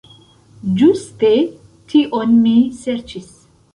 Ĝuste tion mi serĉis.